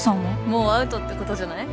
もうアウトってことじゃない？